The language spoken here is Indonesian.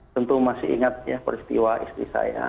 tentu masih ingat ya peristiwa istri saya